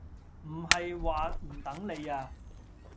唔係話唔等你啊